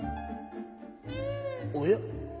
おや？